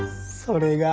それが。